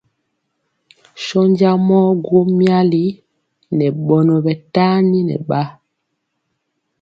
Sɔnja mɔ gwo myali nɛ ɓɔnɔ ɓɛ tani nɛ ɓa.